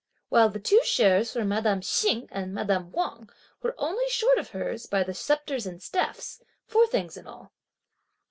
While the two shares for madame Hsing and madame Wang were only short of hers by the sceptres and staffs, four things in all.